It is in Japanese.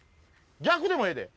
逆でもええで！